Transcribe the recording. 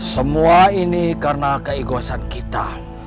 semua ini karena keikhlasan kita